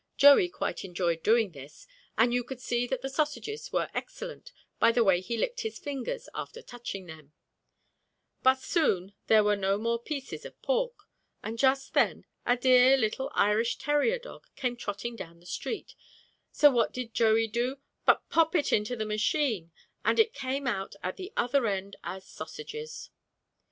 Joey quite enjoyed doing this, and you could see that the sausages were excellent by the way he licked his fingers after touching them, but soon there were no more pieces of pork, and just then a dear little Irish terrier dog came trotting down the street, so what did Joey do but pop it into the machine and it came out at the other end as sausages.